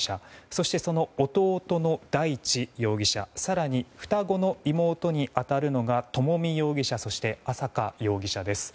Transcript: そして、その弟の大地容疑者更に双子の妹に当たるのが朝美容疑者、朝華容疑者です。